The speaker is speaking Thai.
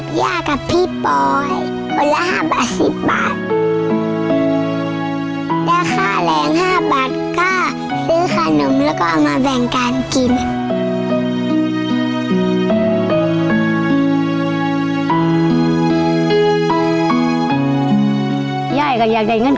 แบ่งแบบญ่ากับพี่ปอย